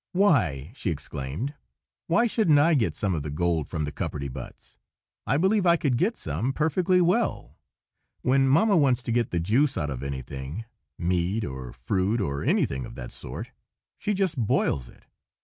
"Why!" she exclaimed, "why shouldn't I get some of the gold from the cupperty buts? I believe I could get some, perfectly well. When Mamma wants to get the juice out of anything, meat, or fruit, or anything of that sort, she just boils it.